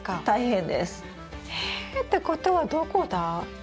大変です。え？ってことはどこだ？